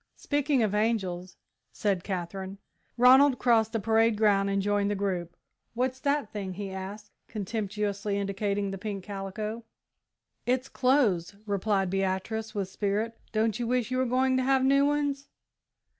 "Speaking of angels " said Katherine. Ronald crossed the parade ground and joined the group. "What's that thing?" he asked, contemptuously indicating the pink calico. "It's clothes," replied Beatrice, with spirit; "don't you wish you were going to have new ones?"